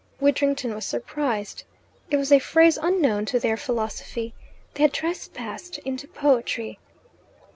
Widdrington was surprised. It was a phrase unknown to their philosophy. They had trespassed into poetry.